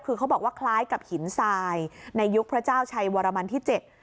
คือเขาบอกว่าคล้ายกับหินทรายในยุคพระเจ้าชัยวรมันที่เจ็ด